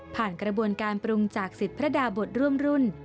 กระบวนการปรุงจากสิทธิ์พระดาบทร่วมรุ่น